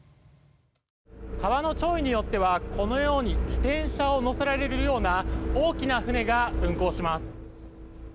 川の潮位によってはこのように自転車を乗せられるような大きな船が運航します。